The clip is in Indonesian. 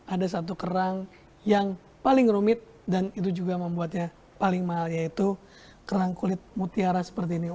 ada satu kerang yang paling rumit dan itu juga membuatnya paling mahal yaitu kerang kulit mutiara seperti ini